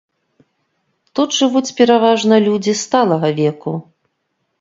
Тут жывуць пераважна людзі сталага веку.